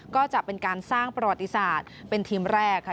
ก็จะเป็นการสร้างประวัติศาสตร์เป็นทีมแรกค่ะ